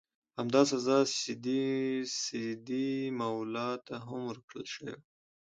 همدا سزا سیدي مولا ته هم ورکړل شوې وه.